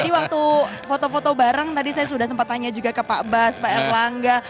tadi waktu foto foto bareng tadi saya sudah sempat tanya juga ke pak bas pak erlangga